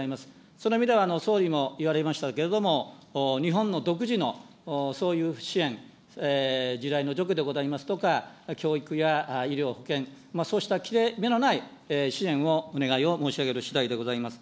その意味では総理もいわれましたけれども、日本の独自のそういう支援、地雷の除去でございますとか、教育や医療、保険、そうした切れ目のない支援をお願いを申し上げるしだいでございます。